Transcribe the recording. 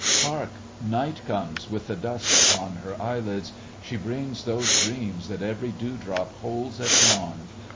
"Hark! Night comes, with the dusk upon her eyelids. She brings those dreams that every dew drop holds at dawn.